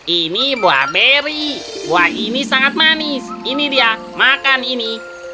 ini buah beri wah ini sangat manis ini dia makan ini